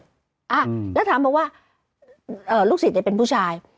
อ่าแล้วถามบอกว่าลูกศิษย์เป็นผู้ชาย